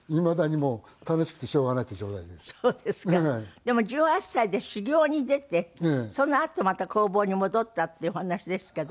でも１８歳で修業に出てそのあとまた工房に戻ったっていうお話ですけど。